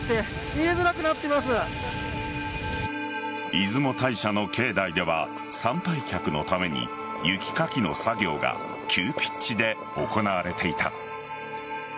出雲大社の境内では参拝客のために雪かきの作業が急ピッチで行われていた。